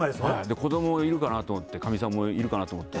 子どもいるかなと思って、かみさんもいるかなと思って。